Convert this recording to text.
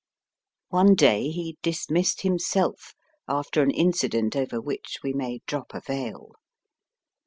One day he dismissed himself after an incident over which we may drop a. veil.